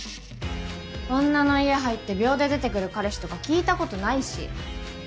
女の家入って秒で出てくる彼氏とか聞いたことないし。